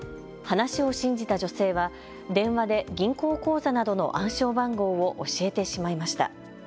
話を信じた女性は電話で銀行口座などの暗証番号を教えてしまいました。